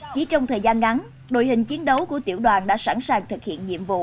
chỉ trong thời gian ngắn đội hình chiến đấu của tiểu đoàn đã sẵn sàng thực hiện nhiệm vụ